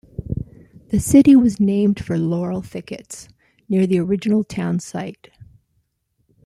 The city was named for laurel thickets near the original town site.